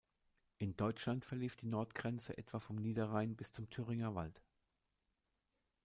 In Deutschland verlief die Nordgrenze etwa vom Niederrhein bis zum Thüringer Wald.